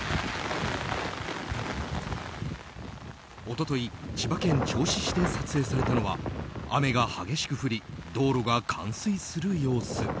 一昨日千葉県銚子市で撮影されたのは雨が激しく降り道路が冠水する様子。